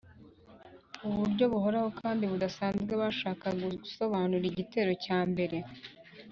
Uburyo buhoraho kandi budasanzwe bashaka gusobanura igitero cya mbere